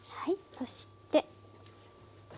そして。